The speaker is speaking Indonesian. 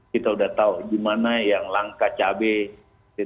kita sudah tahu gimana yang langka cabai